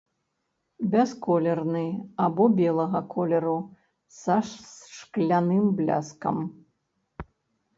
Бясколерны або белага колеру, са шкляным бляскам.